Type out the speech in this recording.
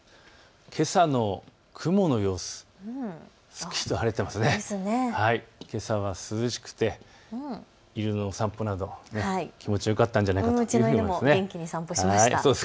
けさの雲の様子、けさは涼しくて犬のお散歩など気持ちよかったんじゃないかというふうに思います。